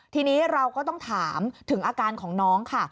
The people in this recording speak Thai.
ทีนี้เราก็ต้องถามถึงอาการของน้องค่ะ